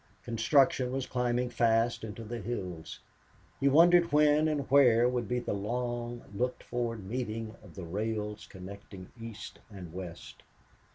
Construction was climbing fast into the hills. He wondered when and where would be the long looked for meeting of the rails connecting East with West.